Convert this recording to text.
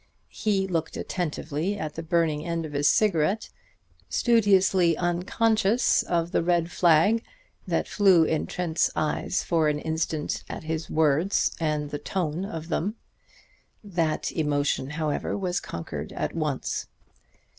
He looked attentively at the burning end of his cigarette, studiously unconscious of the red flag that flew in Trent's eyes for an instant at his words and the tone of them. That emotion, however, was conquered at once.